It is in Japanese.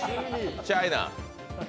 チャイナ！